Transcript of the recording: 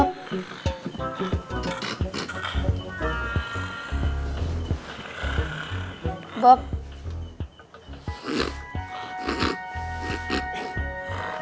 aku gua brah